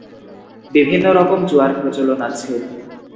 বিভিন্ন রকম জুয়ার প্রচলন আছে।